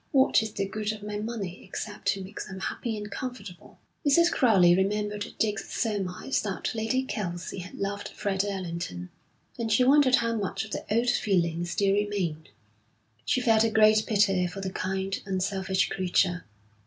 What is the good of my money except to make them happy and comfortable?' Mrs. Crowley remembered Dick's surmise that Lady Kelsey had loved Fred Allerton, and she wondered how much of the old feeling still remained. She felt a great pity for the kind, unselfish creature.